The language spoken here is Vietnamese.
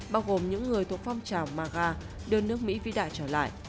bao gồm những người thuộc phong trào maga đưa nước mỹ vĩ đại trở lại